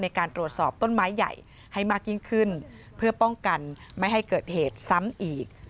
ในการตรวจสอบต้นไม้ใหญ่ให้มากยิ่งขึ้นเพื่อป้องกันไม่ให้เกิดเหตุซ้ำอีก